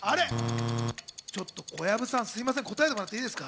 ちょっと小籔さん、すいません、答えてもらっていいですか？